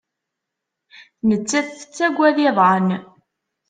Nettat tettaggad iḍan.